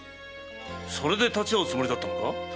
それで立ち合うつもりだったのか？